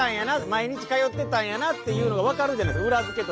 毎日通ってたんやなっていうのが分かるじゃないですか